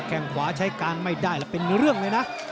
แค่งขวาใช้การไม่ได้แล้วเป็นเรื่องเลยนะ